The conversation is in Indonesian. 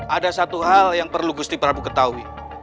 ada satu hal yang perlu gusti prabu ketahui